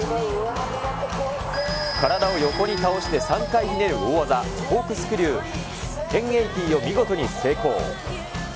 体を横に倒して３回ひねる大技、コークスクリュー１０８０を見事に成功。